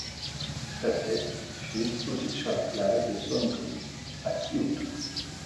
Sa tête fut exposée sur la plage de Sanjo à Kyōto.